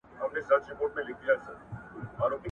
بخت و شنې.